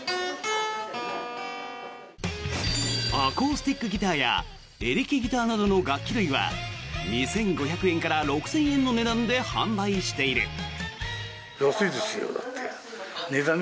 アコースティックギターやエレキギターなどの楽器類は２５００円から６０００円の値段で販売している。